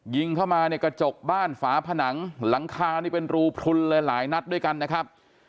ยิงเข้ามาเนี่ยกระจกบ้านฝาผนังหลังคานี่เป็นรูพลุนเลยหลายนัดด้วยกันนะครับ